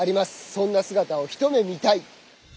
そんな姿を一目見たい！